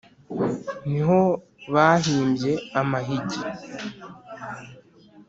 ni ho bahimbye amahigi,